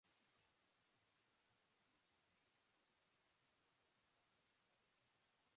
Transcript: Urte guztian zehar aurki daitezke heldu hegalariak.